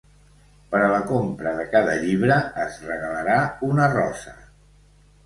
Per a la compra de cada llibre es regalarà una rosa.